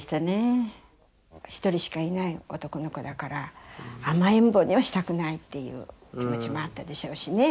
「１人しかいない男の子だから甘えん坊にはしたくないっていう気持ちもあったでしょうしね」